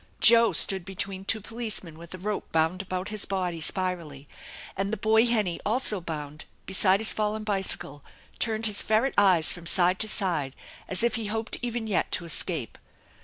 Joe stood between two policemen with a rope bound about his body spirally, and the boy Hennie, also bound, beside his fallen bicycle, turned his ferret eyes from side to side as if he hoped even yet to escape.